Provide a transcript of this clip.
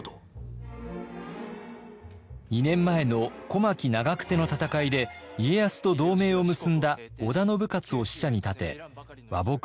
２年前の小牧・長久手の戦いで家康と同盟を結んだ織田信雄を使者に立て和睦を迫ってきたのです。